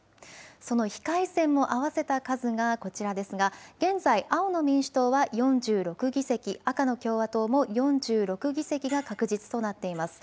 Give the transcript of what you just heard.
その非改選も合わせた数がこちらですが現在、青の民主党は４６議席、赤の共和党も４６議席が確実となっています。